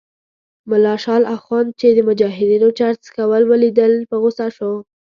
ملا شال اخند چې د مجاهدینو چرس څکول ولیدل په غوسه شو.